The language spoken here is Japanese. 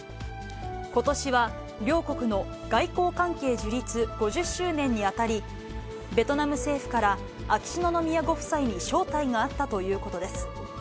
ことしは両国の外交関係樹立５０周年にあたり、ベトナム政府から秋篠宮ご夫妻に招待があったということです。